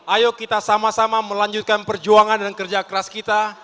ayo kita sama sama melanjutkan perjuangan dan kerja keras kita